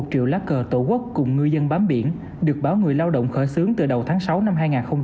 một triệu lá cờ tổ quốc cùng người dân bám biển được báo người lao động khởi xướng từ đầu tháng sáu năm hai nghìn một mươi chín